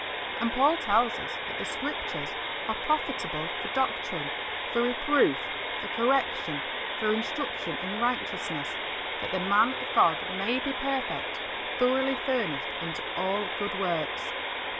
And Paul tells us that the Scriptures are "profitable for doctrine, for reproof, for correction, for instruction in righteousness, that the man of God may be perfect, throughly furnished unto all good works."